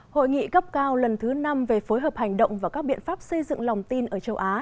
hội nghị cấp cao lần thứ năm về phối hợp hành động và các biện pháp xây dựng lòng tin ở châu á